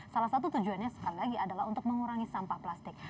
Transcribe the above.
salah satu tujuannya sekali lagi adalah untuk mengurangi sampah plastik